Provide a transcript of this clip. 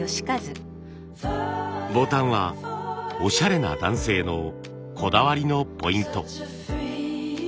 ボタンはおしゃれな男性のこだわりのポイント。